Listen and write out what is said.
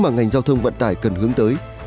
mà ngành giao thông vận tải cần hướng tới